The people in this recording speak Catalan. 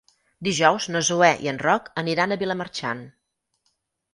Dijous na Zoè i en Roc aniran a Vilamarxant.